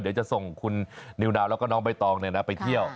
เดี๋ยวจะส่งคุณนิวนาวแล้วก็น้องใบตองไปเที่ยว